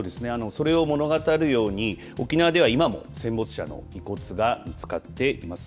それを物語るように沖縄では今も戦没者の遺骨が見つかっています。